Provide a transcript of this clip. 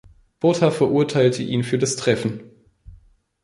Botha verurteilte ihn für das Treffen.